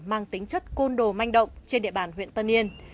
nâng tính chất côn đồ manh động trên địa bàn huyện tân niên